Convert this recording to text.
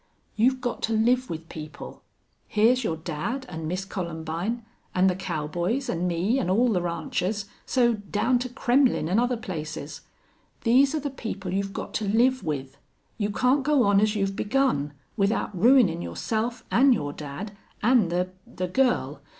You've got to live with people. Here's your dad an' Miss Columbine, an' the cowboys, an' me, an' all the ranchers, so down to Kremmlin' an' other places. These are the people you've got to live with. You can't go on as you've begun, without ruinin' yourself an' your dad an' the the girl....